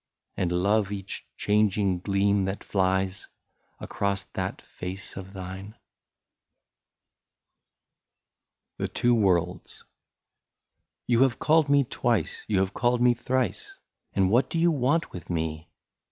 And love each changing gleam that flies Across that face of thine ? 78 THE TWO WORLDS. " You have called me twice, you have called me thrice, And what do you want with me